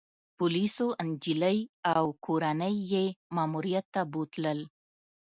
پولیسو انجلۍ او کورنۍ يې ماموریت ته بوتلل